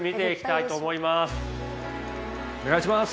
お願いします。